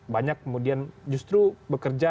banyak kemudian justru bekerja